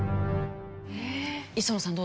磯野さん